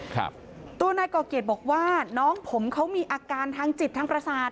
ครับตัวนายก่อเกียรติบอกว่าน้องผมเขามีอาการทางจิตทางประสาท